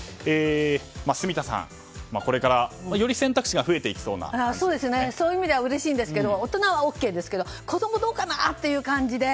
住田さん、これからより選択肢がそういう意味ではうれしいんですけど大人はＯＫですけど子供はどうかなという感じで。